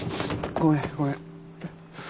ごめんごめん。